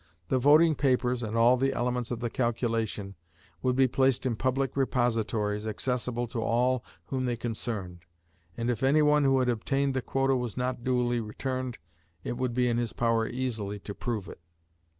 The voting papers, and all the elements of the calculation, would be placed in public repositories, accessible to all whom they concerned; and if any one who had obtained the quota was not duly returned, it would be in his power easily to prove it.